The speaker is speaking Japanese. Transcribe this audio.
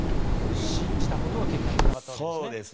信じたことが結果につながったんですね。